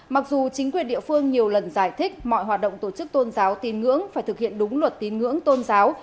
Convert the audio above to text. mặc dù chính quyền địa phương nhiều lần giải thích mọi hoạt động tổ chức tôn giáo tin ngưỡng phải thực hiện đúng luật tín ngưỡng tôn giáo